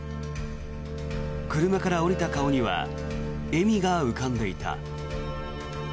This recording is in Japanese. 車から降りた顔には笑みが浮かんでいた。